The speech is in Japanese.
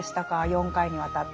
４回にわたって。